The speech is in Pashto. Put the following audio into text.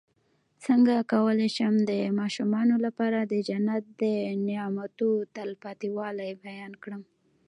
څنګه کولی شم د ماشومانو لپاره د جنت د نعمتو تلپاتې والی بیان کړم